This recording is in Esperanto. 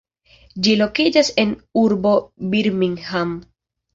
Ĝi lokiĝas en urbo Birmingham.